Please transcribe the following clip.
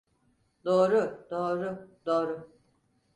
Doğru, doğru, doğru.